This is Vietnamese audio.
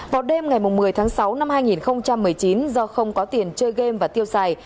vào đêm ngày một mươi tháng sáu năm hai nghìn một mươi chín do không có tiền chơi game và tiêu xài